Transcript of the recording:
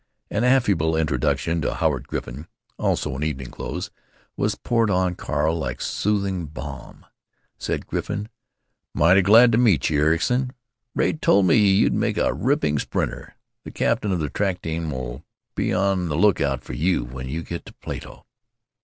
An affable introduction to Howard Griffin (also in evening clothes) was poured on Carl like soothing balm. Said Griffin: "Mighty glad to meet you, Ericson. Ray told me you'd make a ripping sprinter. The captain of the track team 'll be on the lookout for you when you get to Plato.